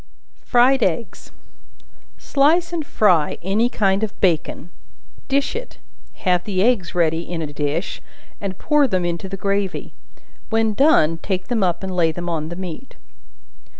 Fried Eggs. Slice and fry any kind of bacon, dish it; have the eggs ready in a dish, and pour them into the gravy; when done, take them up and lay them on the meat.